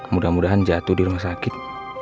mudah mudahan jatuh di rumah sakit